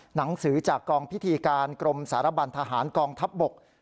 หนังสือจากกองพิธีการกรมสารบันทหารกองทัพบก